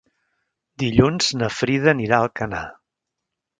Dilluns na Frida anirà a Alcanar.